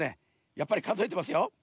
やっぱりかぞえてますよ。